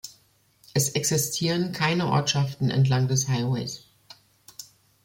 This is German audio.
Es existieren keine Ortschaften entlang des Highways.